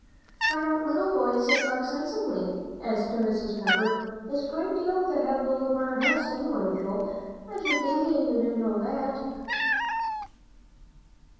"Why don't little boys talk sensibly?" asked Mrs. Pepper. "It's a great deal to have the little brown house, anyway, Joel, I sh'd think you'd know that."